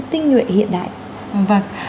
tinh nhuệ hiện đại vâng